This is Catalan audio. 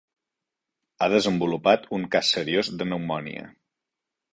Ha desenvolupat un cas seriós de pneumònia.